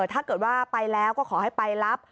ถ้าเกิดว่าไปแล้วก็ขอให้ไปรับ